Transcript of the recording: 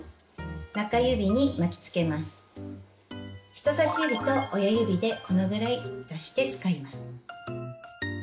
人さし指と親指でこのぐらい出して使います。